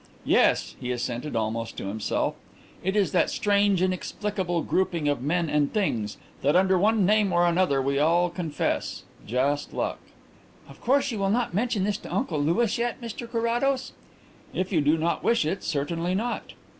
"Yes," he assented, almost to himself, "it is that strange, inexplicable grouping of men and things that, under one name or another, we all confess ... just luck." "Of course you will not mention this to Uncle Louis yet, Mr Carrados?" "If you do not wish it, certainly not."